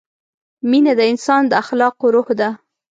مینه د انسان د اخلاقو روح ده.